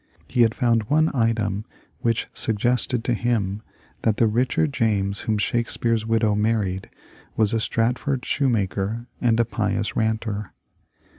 He had found one item which suggested to him that the Richard James whom Shake speare's widow married was a Stratford shoemaker and a pious ranter.